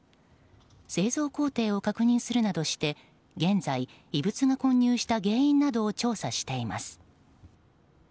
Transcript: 製造工程を確認するなどして現在、異物が混入した原因などを調査しています。